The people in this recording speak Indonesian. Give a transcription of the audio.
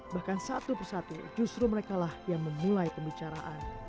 bahkan satu persatu justru merekalah yang memulai pembicaraan